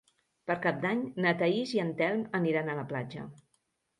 Per Cap d'Any na Thaís i en Telm aniran a la platja.